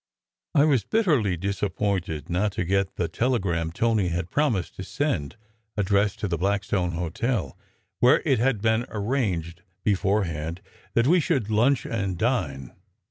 I was bitterly disap pointed not to get the telegram Tony had promised to send, addressed to the Blackstone Hotel, where it had been ar ranged beforehand that we should lunch and dine.